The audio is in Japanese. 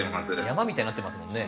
山みたいになってますもんね。